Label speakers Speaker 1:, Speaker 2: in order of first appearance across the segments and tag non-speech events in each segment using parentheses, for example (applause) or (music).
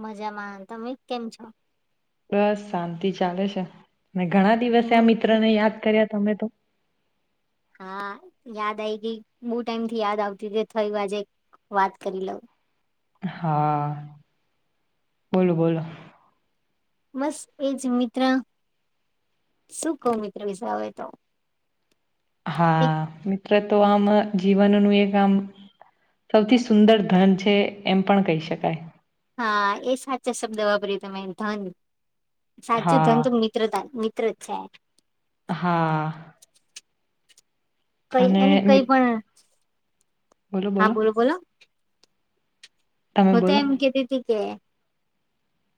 Speaker 1: મજામાં તમે કેમ છો
Speaker 2: બસ શાંતિ ચાલે છે ને ઘણા દિવસે આ
Speaker 1: હમ્મ.
Speaker 2: મિત્ર ને યાદ કર્યા તમે તો
Speaker 1: હા યાદ આ ગઈ બહુ ટાઈમ થી યાદ આવતી થઈ વાજે વાત કરી લઉં
Speaker 2: હા બોલો બોલો
Speaker 1: બસ એજ મિત્ર શું કહ મિત્રો વિજાવ તો
Speaker 2: હા
Speaker 1: એક
Speaker 2: મિત્ર તો આમ જીવનનું એક આમ સૌથી સુંદર ધન છે એમ પણ કહી શકાય
Speaker 1: હા એ સાચા શબ્દ વાપર્યું તમે ધન સાચું ધનુ
Speaker 2: હા
Speaker 1: મિત્રતા મિત્ર જ છે
Speaker 2: હા
Speaker 1: કઈ
Speaker 2: અને
Speaker 1: એને કઈ
Speaker 2: મિત
Speaker 1: પણ હા બોલો બોલો
Speaker 2: તમે
Speaker 1: હ તો
Speaker 2: બોલો
Speaker 1: એમ કતીી હતી કે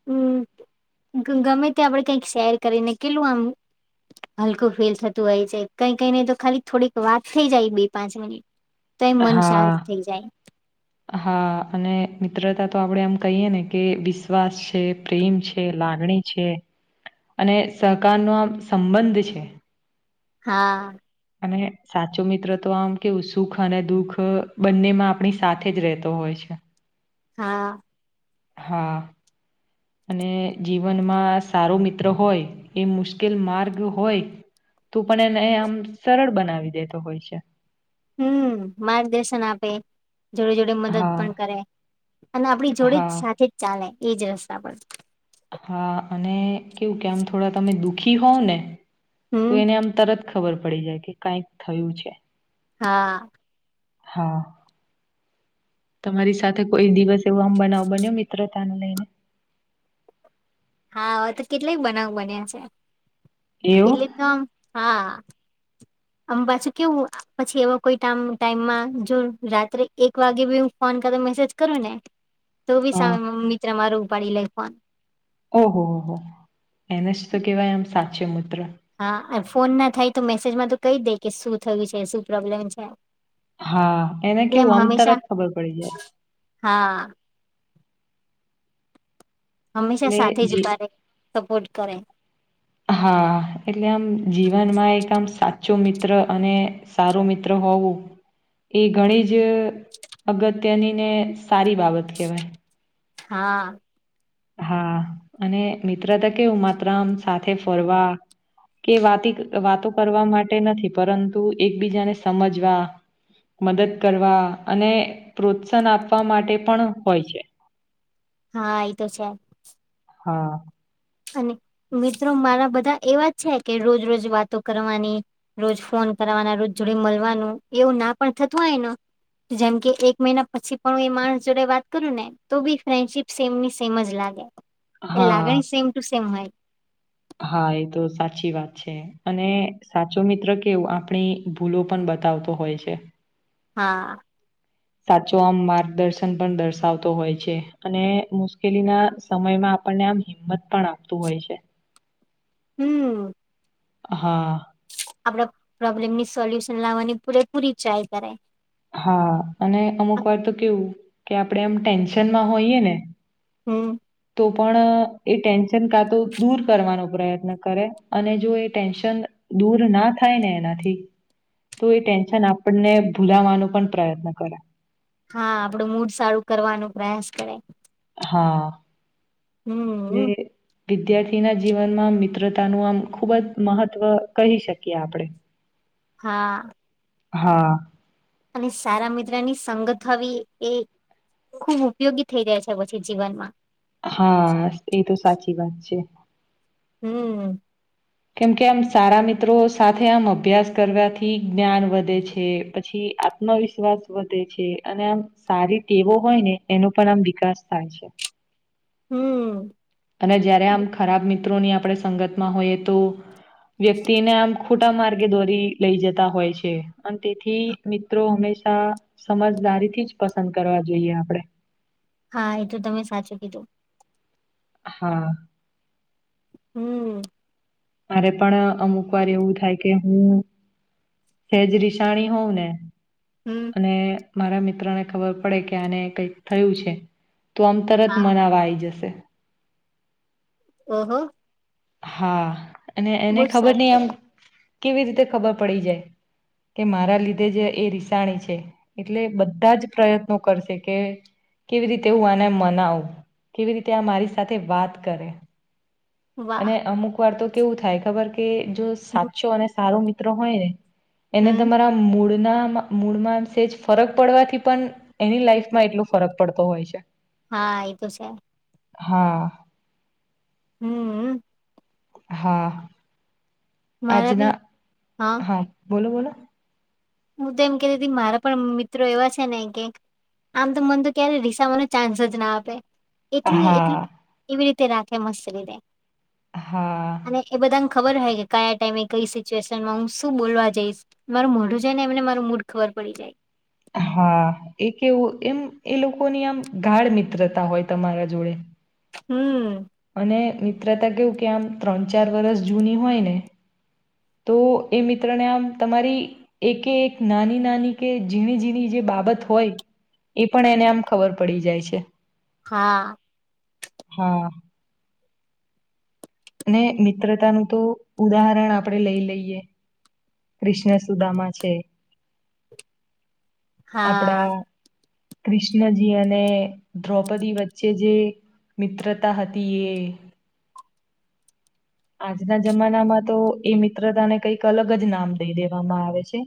Speaker 1: હમ ગમે તે્યા આપડે કઈક શેર કરીને કેલું આમ હલકું ફીલ થતું હોય છે કઈ કઈ ને તો ખાલી થોડીક વાત થઇ જાય બે પાંચ મિનિટ તો એ મન
Speaker 2: હા
Speaker 1: શાંત થઈ જાય
Speaker 2: હા અને પુિત્રતા તો આપડે એમ કહીએ ને કે વિશ્વાસ છે પ્રેમ છે લાગણી છે અને સહકાર નો આમ સંબંધ છે
Speaker 1: હા
Speaker 2: અને સાચો મિત્ર તો આમ કે સુખ અને દુખ બંને માં આપણી સાથે જ રહેતો હોય છે અચ્છા
Speaker 1: હા
Speaker 2: હા અને જીવનમાં સારો મિત્ર હોય એ મુશ્કેલ માર્ગ હોય તું પણ એને આમ સરળ બનાવી દેતો હોય છે
Speaker 1: હમ માર્ગદર્શન આપે જોડે જોડે મદદ પણ
Speaker 2: હા
Speaker 1: કરે અને આપડી જોડે જ
Speaker 2: હા
Speaker 1: સાથે જ ચાલે એજ રસ્તા પર
Speaker 2: હા અને કેવું કે આમ થોડા તમે દુખી હોવ ને તો
Speaker 1: હમ
Speaker 2: એને આમ તરત ખબર પડી જાય કે કઈક થયું છે
Speaker 1: હા
Speaker 2: હા તમારી સાથે કોઈ દિવસ એવો આમ બનાવ બન્યો મિત્રતાને લઈને
Speaker 1: હા તો કેટલાય બનાવ બન્યા છે એટલે
Speaker 2: એવું
Speaker 1: તો આમ હા આમ પાછું કેવું પછી એવા કોઈ ટાઈમમાં જો રાત્રે એક વાગે બી હ ફોન (unintelligible) મેસેજ કરું ને તો બી
Speaker 2: હા
Speaker 1: સામે મિત્ર મારો ઉપડી લે ફોન
Speaker 2: ઓહો હોહ એને જ તો કેવાય આમ સાચો મૂત્ર
Speaker 1: હા ફોન ના થાય તો મેસેજમાં તો કઈ દે કે શું થયું છે શું પ્રોબ્લેમ છે
Speaker 2: હા એને
Speaker 1: એટલે એમ
Speaker 2: કેવું આમ
Speaker 1: હંમેશા
Speaker 2: તરત ખબર પડી જાય
Speaker 1: (unintelligible) હા હંમેશા સાથે
Speaker 2: એટલે
Speaker 1: જ
Speaker 2: જી
Speaker 1: ઊભા રેય સપોર્ટ કરે
Speaker 2: હા એટલે આમ જીવનમાં એક આમ સાચો મિત્ર અને સારું મિત્ર હોવું એ ઘણી જ અગત્યનીને સારી બાબત કહેવાય
Speaker 1: હા
Speaker 2: હા અને મિત્ર તો કેવું માતરમ સાથે ફરવા કે વાતે વાતો કરવા માટે નથી પરંતુ એકબીજાને સમજવા મદદ કરવા અને પ્રોત્સાહન આપવા માટે પણ હોય છે
Speaker 1: હા એ તો છે
Speaker 2: હા
Speaker 1: અને મિત્રો મારા બધા એવા જ છે કે રોજ રોજ વાતો કરવાની રોજ ફોન ના રોજ જોડે મળવાનું એવું ના પણ થતું હોયને જેમ કે એક મહિના પછી પણ એ માણસ જોડે વાત કરું ને તો બી ફ્રેન્ડશીપ સેમની સેમ જ લાગે એ
Speaker 2: હા
Speaker 1: લાગણી સેમ ટુ સેમ હોય
Speaker 2: હા એ તો સાચી વાત છે અને સાચો મિત્ર કેવુ એ આપણી ભૂલો પણ (unintelligible) બતાવતો હોય છે
Speaker 1: હા
Speaker 2: સાચો આમ માર્ગદર્શન પણ દર્શાવતો હોય છે અને મુશ્કેલી ના સમયમાં આપણને આમ હિંમત પણ આપતું હોય છે
Speaker 1: હમ
Speaker 2: હા
Speaker 1: આપડા પ્રોબ્લેમની સોલ્યુશન લાવવાની પૂરેપૂરી ટ્રાય કરાય
Speaker 2: હા અને અમુક વાર તો કેવું કે આપણે એમ ટેન્શનમાં હોઈએ ને
Speaker 1: હમ
Speaker 2: તો પણ એ ટેન્શન કા તો દૂર કરવાનો પ્રયત્ન કરે અને જો એ ટેન્શન દૂર ના થાય ને એનાથી તો એ ટેન્શન આપણ ને ભૂલાવાનું પ્રયત્ન કર
Speaker 1: હા આપડું મૂડ સારું કરવાનો પ્રયાસ કરે
Speaker 2: હા
Speaker 1: હમ
Speaker 2: એટલે વિદ્યાર્થીના જીવનમાં મિત્રતાનું આમ ખૂબ જ મહત્વ કહી શકીએ આપણે
Speaker 1: હા
Speaker 2: હા
Speaker 1: અને સારા મિત્રની સંગત હવી એ ખુબ ઉપયોગી થઈ રહ્યા છે પછી જીવનમાં
Speaker 2: હા એ તો સાચી વાત છે
Speaker 1: હમ
Speaker 2: કેમ કે આમ સારા મિત્રો સાથે આમ અભ્યાસ કરવાથી જ્ઞાન વધે છે પછી આત્મવિશ્વાસ વધે છે અને આમ સારી ટેવો હોય ને એનો પણ આમ વિકાસ થાય છે
Speaker 1: હમ્મ.
Speaker 2: અને જયારે આમ ખરાબ મિત્રોની આપણે સંગત માં હોઈએ તો વ્યક્તિને આમ ખોટા માર્ગે દોરી લઈ જતા હોય છે અને તેથી મિત્રો હંમેશા સમજદારી થી જ પસંદ કરવા જોઈએ આપડણે
Speaker 1: હા એ તો તમે સાચું કીધું
Speaker 2: હા
Speaker 1: હમ
Speaker 2: મારે પણ અમુક વાર એવું થાય કે હું સેજરીિશાણી હોવ ને
Speaker 1: હમ્મ,
Speaker 2: અને મારા મિત્ર ને ખબર પડે કે આને કઈક થયું છે તો આમ તરત મનાવા આવી જશે
Speaker 1: ઓહ
Speaker 2: હા અને એને ખબર નઈ આમ કેવી રીતે ખબર પડી જાય કે મારા લીધે જ એ રિસાણી છે એટલે બધા જ પ્રયત્નો કરશે કે કેવી રીતે હું આને મનાવું કેવી રીતે આ મારી સાથે વાત કરે
Speaker 1: કેવાય વાહ.
Speaker 2: અને અમુક વાર તો કેવું થાય ખબર કે જો
Speaker 1: હમ્મ.
Speaker 2: સાચો અને સારો મિત્રો હોય ને એને
Speaker 1: હમ્મ,
Speaker 2: તમારા મૂળ ના મૂળમાં સેજ ફરક પડવાથી પણ એની લાઈફમાં એટલો ફરક પડતો હોય છે.
Speaker 1: હા એ તો છે.
Speaker 2: હા.
Speaker 1: હમ.
Speaker 2: હા.
Speaker 1: મારા બી
Speaker 2: આજના હા બોલો બોલો.
Speaker 1: હું તો એમ કેતી મારા પણ મિત્રો એવા છે ને કે આમ તો મન તો ક્યારે રીસા મ ન ચાન્સ જ ના આપે એટલું
Speaker 2: હા
Speaker 1: એટલું એવી રીતે રાખે મસ્ત રરે
Speaker 2: હા
Speaker 1: અને એ બધા ખબર હો કે કયા ટાઈમે કઈ સિચ્યુએશનમાં હું શું બોલવા જઈશ મારું મોઢું જેને એમને માર મૂડ ખબર પડી જાય.
Speaker 2: હા એ કેવું એમ એ લોકોની આમ ગાઢ મિત્રતા હોય તમારા જોડે
Speaker 1: હમ.
Speaker 2: અને મિત્રતા કેવું કે આમ ત્રણ ચાર વરષ જૂની હોય ને તો એ મિત્રને આમ તમારી એકે એક નાની નાની કે ઝીણી ઝીણી જે બા બાબત હોય એ પણ એને આમ ખબર પડી જાય છે.
Speaker 1: હા.
Speaker 2: હા. મિત્રતાનું તો ઉદાહરણ આપણેે લઈ લઈએ. કૃષ્ણ સુદામા છે,
Speaker 1: (inaudible) હા
Speaker 2: આપણા કૃષ્ણજી અને દ્રૌપદી વચ્ચે જે મિત્ર તઃ ત એે આજના જમાનામાં તો એ મિત્રતાને કઈક અલગ જ નામ દઈ દેવામાં આવે છે.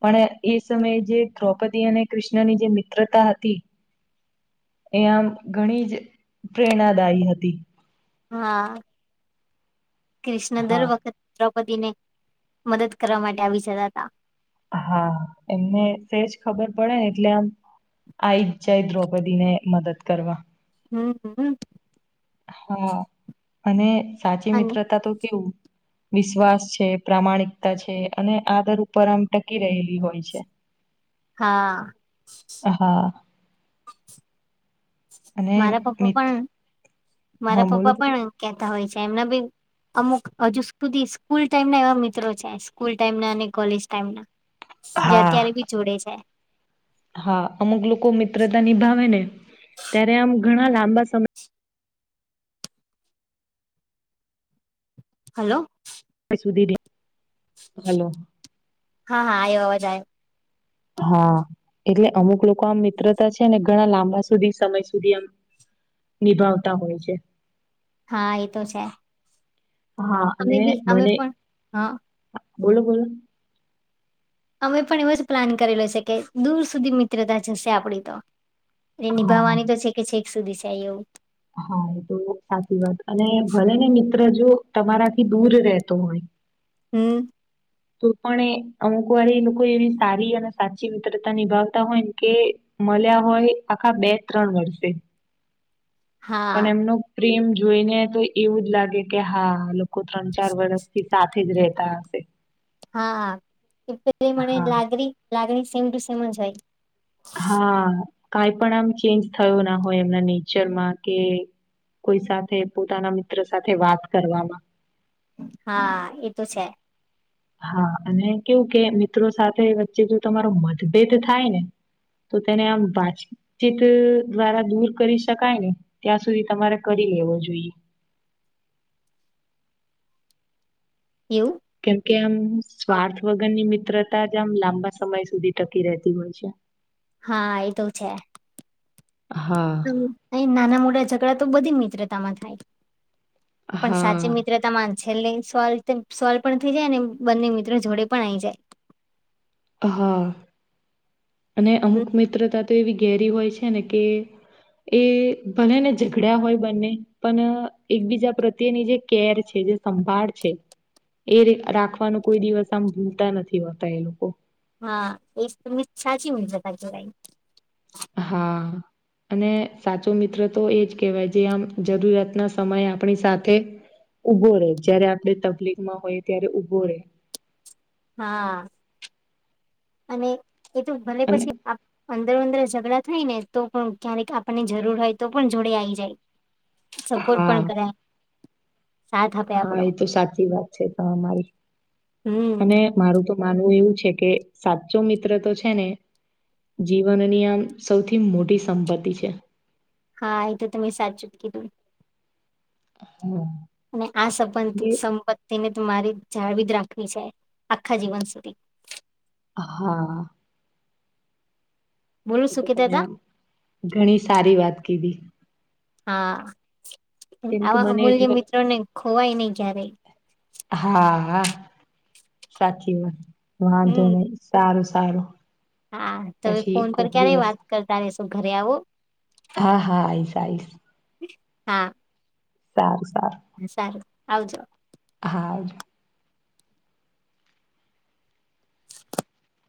Speaker 2: પણ એ સમયે જે દ્રૌપદી અને કૃષ્ણની જે મિત્રતા હતી. એ આમ ઘણી જ પ્રેરણાદાયી હતી.
Speaker 1: હા. ક્રિષ્ણ દર
Speaker 2: હા
Speaker 1: વખત દ્રૌપદીને મદદ કરવા માટે આવી જતા હતા
Speaker 2: હા એમને સેજ ખબર પડેને એટલે આમ આવી જ જાય દ્રૌપદી ને મદદ કરવા
Speaker 1: હમ હમ. (inaudible)
Speaker 2: હા અને સાચી
Speaker 1: અને
Speaker 2: મિત્રતા તો કેવું? વિશ્વાસ છે, પ્રામાણિકતા છે, અને આદર ઉપર આમ ટકી રહેલી હોય છે.
Speaker 1: હા.
Speaker 2: હા અને
Speaker 1: મારા પપ્પા
Speaker 2: મિત
Speaker 1: પણ
Speaker 2: હા
Speaker 1: મારા
Speaker 2: બોલો
Speaker 1: પપ્પા
Speaker 2: બોલો
Speaker 1: પણ કેતા હોય છે એમના બી અમુક હજુ સુધી સ્કૂલ ટાઈમ ના એવા મિત્રો છે સ્કૂલ ટાઈમ ના અને કોલેજ ટાઈમ ના જે અત્યારે
Speaker 2: હા
Speaker 1: બી જોડે છે.
Speaker 2: હા અમુક લોકો મિત્રતા નિભાવે ને ત્યારે આમ ઘણા લાંબા સમય
Speaker 1: હલો.
Speaker 2: સુધી ર
Speaker 1: (unintelligible) હા હા અવાજ આયો.
Speaker 2: હા. એટલે અમુક લોકો આમ મિત્રતા છે ને ઘણા લાંબા સુધી સમય સુધી આમ નિભાવતા હોય છે.
Speaker 1: હા એ તો છે.
Speaker 2: હા
Speaker 1: અમે
Speaker 2: અને
Speaker 1: બી અમે
Speaker 2: બને
Speaker 1: પણ હા
Speaker 2: (unintelligible) બોલો બોલો
Speaker 1: અમે પણ એવો જ પ્લાન કરેલો છે કે દૂર સુધી મિત્રતા જશે આપડી તો એટલે
Speaker 2: હા
Speaker 1: નિભાવવાની તો છે કે છેક સુધી છેાય એવું
Speaker 2: હા એ તો સાચી વાત અને ભલે ને મિત્ર જો તમારાથી દૂર રહેતો હોય
Speaker 1: હમ
Speaker 2: તો પણ એ અમુક વારી લોકો એવી સારી અને સાચી મિત્રતા નિભાવતા હોય ને કે મળ્યા હોય આખા બે ત્રણ વર્ષે
Speaker 1: હા
Speaker 2: પણ એમનો પ્રેમ જોઈને તો એવું જ લાગે કે હા લોકો ત્રણ ચાર વર્ષથી સાથે જ રેતા હશે
Speaker 1: હાા (unintelligible) મને
Speaker 2: હા.
Speaker 1: લાગણી લાગણી સેમ ટુ સેમ જ હોય
Speaker 2: હા કાઈ પણ આમ ચેન્જ થયો ના હોય એમના નેચરમાં કે કોઈ સાથે પોતાના મિત્ર સાથે વાત કરવામાં
Speaker 1: હા એ તો છે
Speaker 2: હા અને કેવું કે મિત્રો સાથે વચ્ચે જો તમારો મતભેદ થાય ને તો તેને આમ વાતચીત દ્વારા દૂર કરી શકાય ને ત્યાં સુધી તમારે કરી (unintelligible) જોઇએ (unintelligible)
Speaker 1: એવું
Speaker 2: કેમ કે આમ સ્વાર્થ વગર નિમિત્ મિત્રતા આમ લાંબા સમય સુધી ટકી રહેતી હોય છે
Speaker 1: હા એતો છે
Speaker 2: હા,
Speaker 1: (unintelligible) નાના મોટા ઝઘડા તો બધી (unintelligible) (unintelligible) થાય પણ સાચી
Speaker 2: હા,
Speaker 1: મિત્રતા છેલ્લે સોલ્વ સોલ્વ પણ થઈ જાય ને બંને મિત્રો જોડે પણ આઈ જાય
Speaker 2: હા અને
Speaker 1: હમ,
Speaker 2: અમુક મિત્રતા તો એવી ઘેરી હોય છે ને કે એ ભલે ને ઝઘડ્યા હોય બંને પણ એકબીજા પ્રત્યેની જે કેર છે સંભાળ છે એ રિ રાખવાનું કોઈ દિવસ આમ ભૂલતા નથી હોતા એ લોકો
Speaker 1: હા એ તને સાચી મિત્રતા કેવાય
Speaker 2: હા અને સાચો મિત્ર તો એજ કહેવાય જે આમ જરૂરિયાતના સમયે આપણી સાથે ઉભો રહેે જયારે આપણે તકલીફમાં હોય ત્યારે ઉભો રહેે
Speaker 1: હા (unintelligible) અને એ તો ભલે
Speaker 2: અને
Speaker 1: પછી અંદરો અંદર ઝઘડા થાય ને તો પણ ક્યારેક આપણની જરૂર હોય તો પણ જોડે આવી જાય સપોર્ટ
Speaker 2: હા
Speaker 1: પણ કરાય.
Speaker 2: હા એ તો સાચી વાત છે મારી
Speaker 1: હમ
Speaker 2: અને મારું તો માનવું એવું છે કે સાચો મિત્ર તો છે ને જીવનની આમ સૌથી મોટી સંપત્તિ છે.
Speaker 1: હા એ તો તોમે સાચચ કીધું.
Speaker 2: હા
Speaker 1: અને આ સં
Speaker 2: એટલે
Speaker 1: સંપત્તિને મારે જાળવી જ રાખવી છે આખા જીવન સુધી
Speaker 2: હા
Speaker 1: બોલું
Speaker 2: એ
Speaker 1: શું
Speaker 2: તો
Speaker 1: કેતા
Speaker 2: તમે
Speaker 1: હતા
Speaker 2: આમ ઘણી સારી વાત કીધી.
Speaker 1: હા
Speaker 2: કેમ કે
Speaker 1: આવા
Speaker 2: બને
Speaker 1: અમૂલ્ય
Speaker 2: એટલે
Speaker 1: મિત્રો ને ખોવાય નહી જ્યારે
Speaker 2: હા હા સાચી વાત વાંધો
Speaker 1: હમ
Speaker 2: નહી સારું સારું
Speaker 1: હા તમે
Speaker 2: પછી
Speaker 1: ફોન પર
Speaker 2: કોક
Speaker 1: ક્યારેય
Speaker 2: દિવસ
Speaker 1: વાત કરતા રેશો ઘરે આવો
Speaker 2: હા હા આ સાઇસ (unintelligible)
Speaker 1: હા
Speaker 2: સાર
Speaker 1: સારું આવજો
Speaker 2: હા આવજો